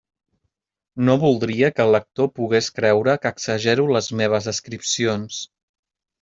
No voldria que el lector pogués creure que exagero les meves descripcions.